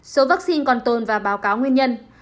số vaccine còn tồn và báo cáo nguyên nhân